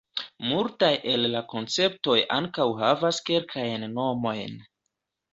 Multaj el la konceptoj ankaŭ havas kelkajn nomojn.